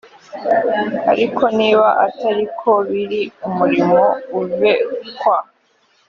ariko niba atari ko biri umuriro uve kwa